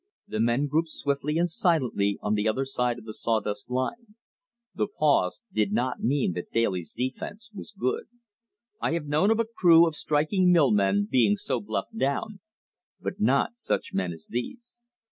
The men grouped swiftly and silently on the other side of the sawdust line. The pause did not mean that Daly's defense was good. I have known of a crew of striking mill men being so bluffed down, but not such men as these.